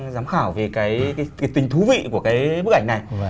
giám khảo về cái tình thú vị của cái bức ảnh này